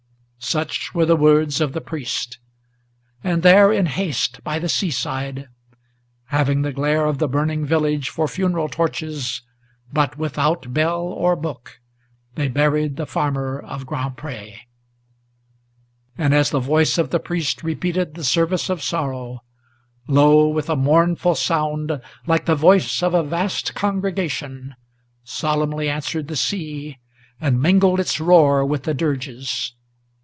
Such were the words of the priest. And there in haste by the seaside, Having the glare of the burning village for funeral torches, But without bell or book, they buried the farmer of Grand Pré. And as the voice of the priest repeated the service of sorrow, Lo! with a mournful sound, like the voice of a vast congregation, Solemnly answered the sea, and mingled its roar with the dirges.